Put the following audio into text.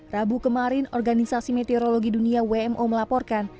rabu kemarin organisasi meteorologi dunia wmo melaporkan